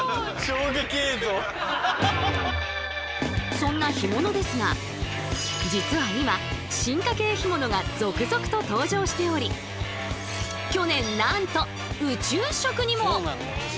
そんな干物ですが実は今進化系干物が続々と登場しており去年なんと宇宙食にも！